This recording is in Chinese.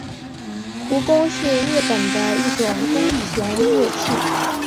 胡弓是日本的一种弓弦乐器。